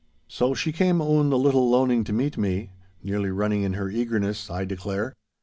So she came own the little loaning to meet me, nearly running in her eagerness, I declare.